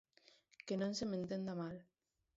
Que non se me entenda mal.